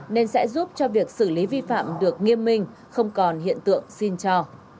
nên sẽ giúp cho việc xử lý vi phạm được nghiêm minh không còn hiện tượng xin cho